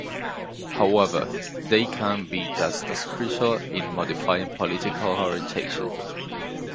However, they can be just as crucial in modifying political orientation.